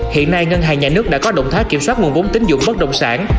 hiện nay ngân hàng nhà nước đã có động thái kiểm soát nguồn vốn tín dụng bất động sản